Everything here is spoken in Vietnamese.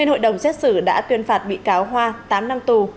hội đồng xét xử đã tuyên phạt bị cáo hoa tám năm tù